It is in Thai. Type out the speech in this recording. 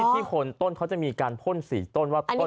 ที่ขนต้นเขาจะมีการพ่นสี่ต้นว่าต้นที่เท่าไหร่